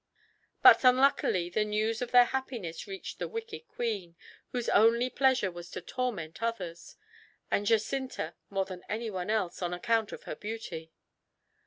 But, unluckily, the news of their happiness reached the wicked queen, whose only pleasure was to torment others, and Jacinta more than anyone else, on account of her beauty.